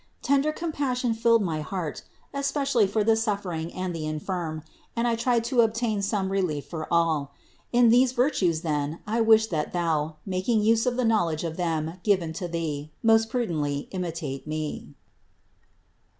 Tender compassion filled my heart, especially for the suffering and the infirm, and I tried to obtain some relief for all. In these virtues then I wish that thou, making use of the knowledge of them given to thee, most prudently imitate me.